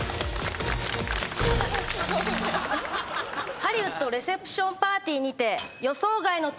ハリウッドレセプションパーティーにて。